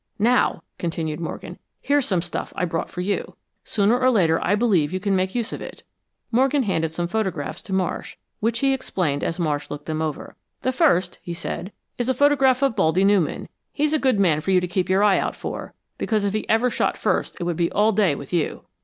"Now," continued Morgan. "Here's some stuff I brought for you. Sooner or later I believe you can make use of it." Morgan handed some photographs to Marsh, which he explained as Marsh looked them over. "The first," he said, "is a photograph of 'Baldy' Newman. He's a good man for you to keep your eye out for, because if he ever shot first it would be all day with you.